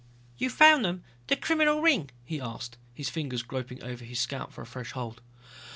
"You've found them, the criminal ring?" he asked, his fingers groping over his scalp for a fresh hold.